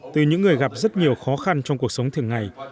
từ những người gặp rất nhiều khó khăn trong cuộc sống thường ngày